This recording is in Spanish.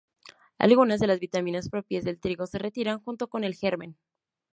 Algunas de las vitaminas propias del trigo se retiran junto con el germen.